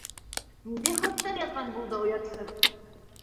Ниндәй хаттар яҙған булды, оятһыҙ!..